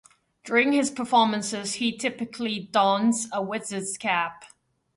During his performances, he typically dons a wizard's cap.